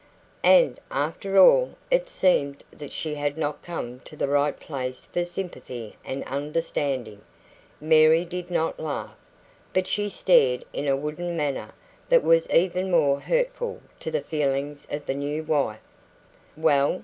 And, after all, it seemed that she had not come to the right place for sympathy and understanding. Mary did not laugh, but she stared in a wooden manner that was even more hurtful to the feelings of the new wife. "Well?"